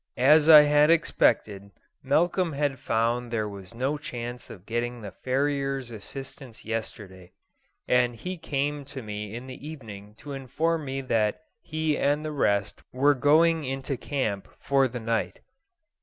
As I had expected, Malcolm had found there was no chance of getting the farrier's assistance yesterday, and he came to me in the evening to inform me that he and the rest were going into camp for the night.